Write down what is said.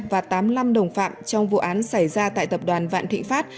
và tám mươi năm đồng phạm trong vụ án xảy ra tại tập đoàn vạn thịnh pháp